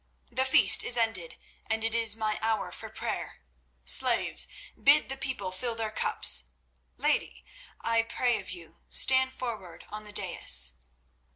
The feast is ended, and it is my hour for prayer. Slaves, bid the people fill their cups. Lady, I pray of you, stand forward on the dais."